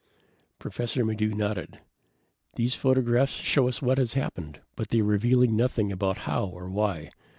Professor Maddox nodded. "The photographs show us what has happened, but they reveal nothing about how or why.